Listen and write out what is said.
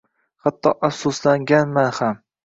Hatto afsuslanganman ham.